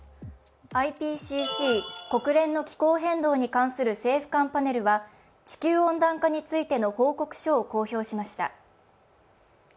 ＩＰＣＣ＝国連の気候変動に関する政府間パネルは地球温暖化についての報告書を公表しました。